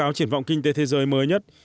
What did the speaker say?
trong các triển vọng kinh tế thế giới mới nhất